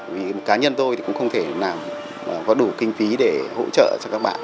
vì cá nhân tôi thì cũng không thể nào có đủ kinh phí để hỗ trợ cho các bạn